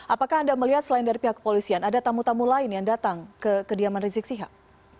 apakah anda melihat selain dari pihak kepolisian ada tamu tamu lain yang datang ke kediaman rizik sihab